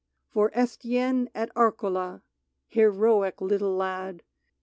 For Estienne at Areola —] Heroic little lad